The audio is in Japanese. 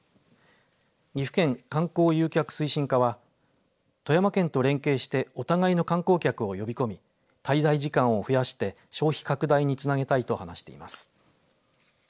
岐阜県観光誘客推進課は富山県と連携してお互いの観光客を呼び込み滞在時間を増やして消費拡大につなげたいと話しています。